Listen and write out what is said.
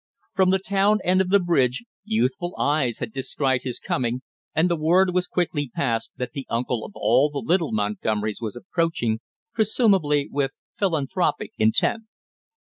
From the town end of the bridge, youthful eyes had descried his coming and the word was quickly passed that the uncle of all the little Montgomerys was approaching, presumably with philanthropic intent.